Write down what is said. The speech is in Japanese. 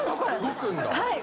はい。